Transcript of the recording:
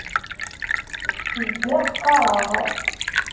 Zgiɣ qqareɣ.